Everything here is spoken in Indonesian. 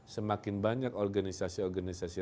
semakin banyak organisasi organisasi